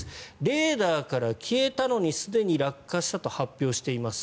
レーダーから消えたのにすでに落下したと発表しています。